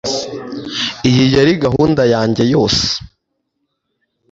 Iyi yari gahunda yanjye yose